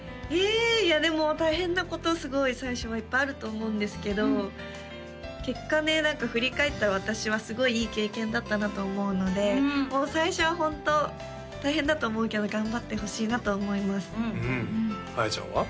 えいやでも大変なことすごい最初はいっぱいあると思うんですけど結果ね何か振り返ったら私はすごいいい経験だったなと思うのでもう最初はホント大変だと思うけど頑張ってほしいなと思いますあやちゃんは？